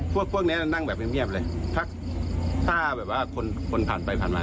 พวกนี้นั่งแบบเงียบเลยถ้าแบบว่าคนผ่านไปผ่านมา